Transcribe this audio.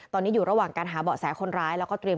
ตอนนี้อยู่ระหว่างการหาเบาะแสคนร้ายแล้วก็เตรียม